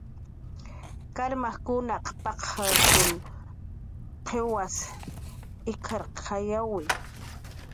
"Karmajkunaq paq""kun qiwar ik""arqayawi"